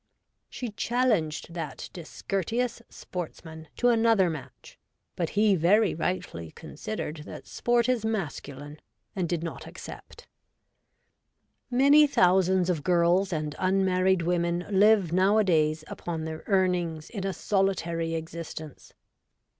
She challenged that discourteous sportsman to 134 REVOLTED WOMAN. another match, but he very rightly considered that sport is masculine, and did not accept. Many thousands of girls and unmarried women live nowadays upon their earnings in a solitary existence.